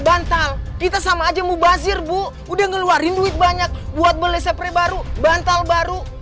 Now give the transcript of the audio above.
bantal kita sama aja mubazir bu udah ngeluarin duit banyak buat beli sepre baru bantal baru